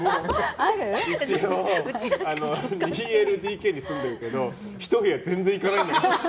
２ＬＤＫに住んでるけどひと部屋、全然行かない。